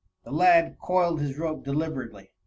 The lad coiled his rope deliberately.